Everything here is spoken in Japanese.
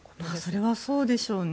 それはそうでしょうね。